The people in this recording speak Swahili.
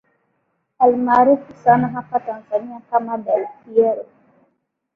almaarufu sana hapa tanzania kama dell piero